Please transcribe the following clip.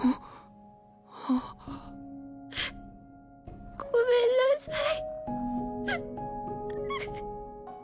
あっごめんなさい。